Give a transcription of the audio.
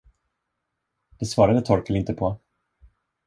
Det svarade Torkel inte på.